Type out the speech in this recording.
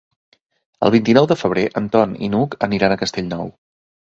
El vint-i-nou de febrer en Ton i n'Hug aniran a Castellnou.